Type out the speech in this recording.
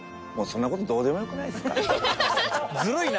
ずるいな！